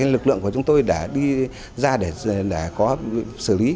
lực lượng của chúng tôi đã đi ra để có xử lý